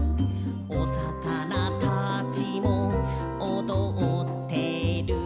「お魚たちもおどってる」